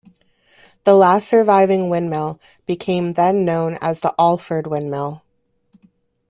The last surviving windmill became then known as the "Alford Windmill".